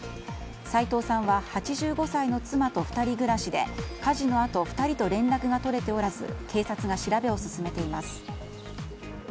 齊藤さんは８５歳の妻と２人暮らしで火事のあと２人と連絡が取れておらず警察が調べを進めています。